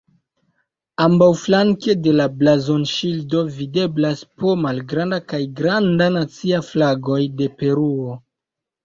Ambaŭflanke de la blazonŝildo videblas po malgranda kaj granda nacia flagoj de Peruo.